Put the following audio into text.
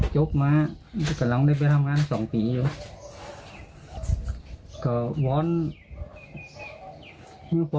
จุยเหลียลูก